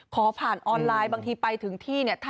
ขอผ่านออนไลน์บางทีไปถึงที่เนี่ย